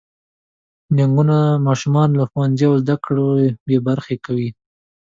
جنګونه ماشومان له ښوونځي او زده کړو بې برخې کوي.